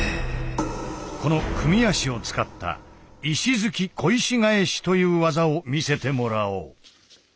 この組み足を使った「石突小石返」という技を見せてもらおう。